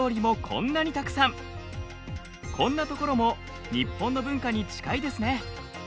こんなところも日本の文化に近いですね。